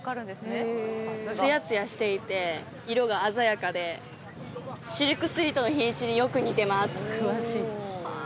ツヤツヤしていて色が鮮やかでシルクスイートの品種によく似てますはあ